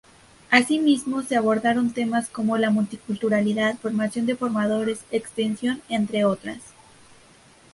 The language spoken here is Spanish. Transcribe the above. Asimismo se abordaron temas como la multiculturalidad, formación de formadores, extensión, entre otras.